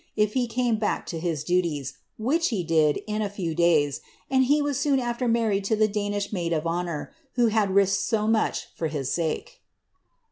if he came back to his duties, which he did, in a few days, and he was soon al'iei married to the Danish maid of honour who had risked so much for his sake.'